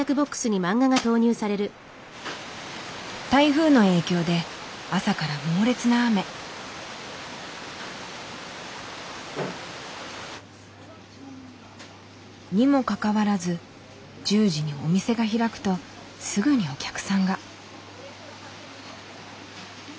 台風の影響で朝から猛烈な雨。にもかかわらず１０時にお店が開くとすぐにお客さんが。